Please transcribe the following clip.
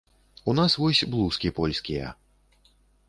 У нас вось блузкі польскія.